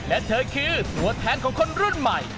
และเธอคือตัวแทนของคนรุ่นใหม่